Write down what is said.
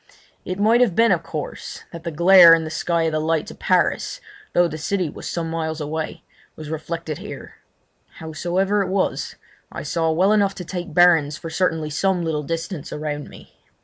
It might have been, of course, that the glare in the sky of the lights of Paris, though the city was some miles away, was reflected here. Howsoever it was, I saw well enough to take bearings for certainly some little distance around me.